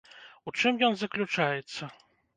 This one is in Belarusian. У чым ён заключаецца?